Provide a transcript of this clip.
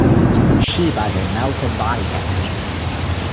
Shea butter melts at body temperature.